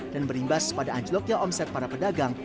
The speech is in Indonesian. dan berimbas pada anjloknya omset para pedagang